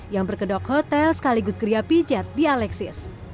yang berkedok hotel sekaligus geria pijat di alexis